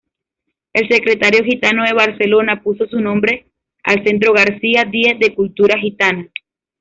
El Secretariado Gitano de Barcelona puso su nombre al "Centro García-Díe de Cultura Gitana".